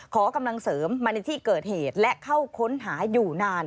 ขอกำลังเสริมมาในที่เกิดเหตุและเข้าค้นหาอยู่นาน